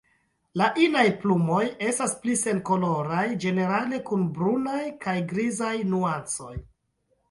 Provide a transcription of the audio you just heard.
La inaj plumoj estas pli senkoloraj ĝenerale kun brunaj kaj grizaj nuancoj.